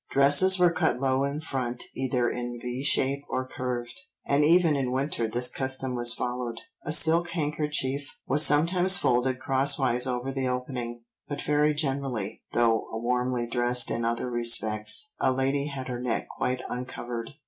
Dresses were cut low in front, either in V shape or curved, and even in winter this custom was followed; a silk handkerchief was sometimes folded crosswise over the opening, but very generally, though warmly dressed in other respects, a lady had her neck quite uncovered.